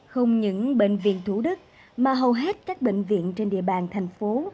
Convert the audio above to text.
không những bệnh viện thủ đức mà hầu hết các bệnh viện trên địa bàn thành phố